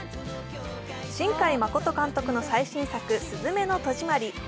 新海誠監督の最新作「すずめの戸締まり」。